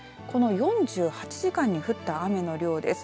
この４８時間に降った雨の量です。